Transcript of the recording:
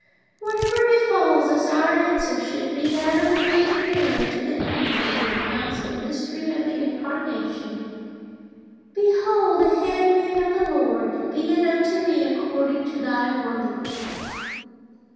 Whatever befalls us, our answer should be that of the Virgin Mary to the angel who announced the mystery of the Incarnation: 'Behold the handmaid of the Lord; be it unto me according to Thy word.